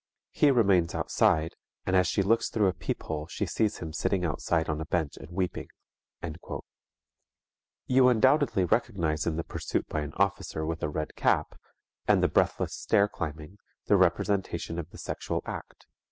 He remains outside and as she looks through a peephole she sees him sitting outside on a bench and weeping._" You undoubtedly recognize in the pursuit by an officer with a red cap, and the breathless stair climbing, the representation of the sexual act.